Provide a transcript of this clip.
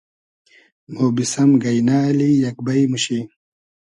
مۉ بیسئم گݷنۂ اللی یئگ بݷ موشی